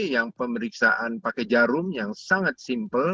yang pemeriksaan pakai jarum yang sangat simpel